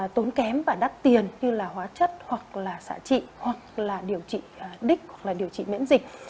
tốn kém và đắt tiền như là hóa chất hoặc là xạ trị hoặc là điều trị đích hoặc là điều trị miễn dịch